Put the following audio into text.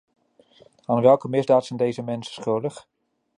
Aan welke misdaad zijn deze mensen schuldig?